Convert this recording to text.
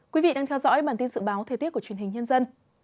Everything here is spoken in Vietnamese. quý vị đang theo dõi bản tin dự báo thời tiết của truyền hình nhân dân